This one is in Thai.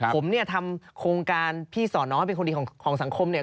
ผมเนี่ยทำโครงการพี่สอนน้องเป็นคนดีของสังคมเนี่ย